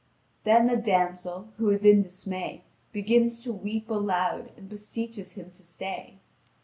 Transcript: Then the damsel, who is in dismay, begins to weep aloud, and beseeches him to stay.